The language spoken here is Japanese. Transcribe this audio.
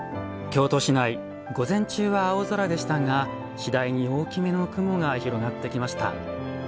京都市内午前中は青空でしたが次第に大きめの雲が広がってきました。